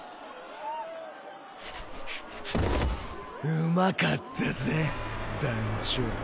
うまかったぜ団ちょ。